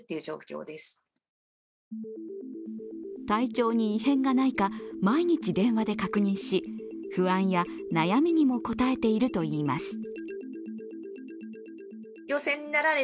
体調に異変がないか毎日電話で確認し、不安や悩みにも応えているといいます。